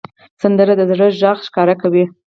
سندره د زړه غږ ښکاره کوي